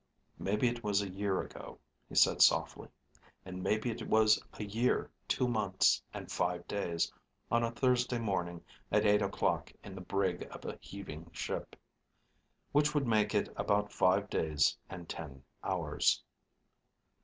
"Maybe it was a year ago," he said softly. "And maybe it was a year, two months, and five days, on a Thursday morning at eight o'clock in the brig of a heaving ship. Which would make it about five days and ten hours."